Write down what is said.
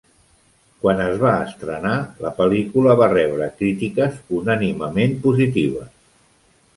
Quan es va estrenar, la pel·lícula va rebre crítiques unànimement positives.